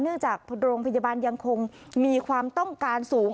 จากโรงพยาบาลยังคงมีความต้องการสูง